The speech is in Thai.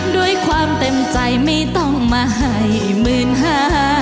ด้วยความเต็มใจไม่ต้องมาให้หมื่นห้า